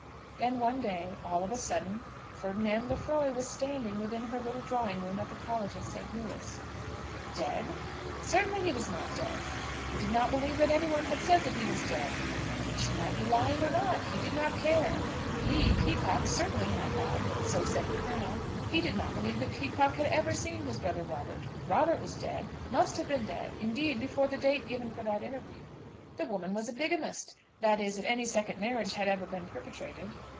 Then one day, all of a sudden, Ferdinand Lefroy was standing within her little drawing room at the College of St. Louis. Dead? Certainly he was not dead! He did not believe that any one had said that he was dead! She might be lying or not, he did not care; he, Peacocke, certainly had lied; so said the Colonel. He did not believe that Peacocke had ever seen his brother Robert. Robert was dead, must have been dead, indeed, before the date given for that interview. The woman was a bigamist, that is, if any second marriage had ever been perpetrated.